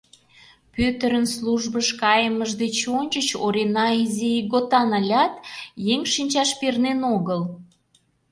Пӧтырын службыш кайымыж деч ончыч Орина изи ийготан ылят, еҥ шинчаш пернен огыл.